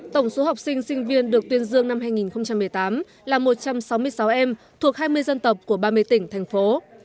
tổng số học sinh sinh viên được tuyên dương năm hai nghìn một mươi tám là một trăm sáu mươi sáu em thuộc hai mươi dân tộc của ba mươi tỉnh thành phố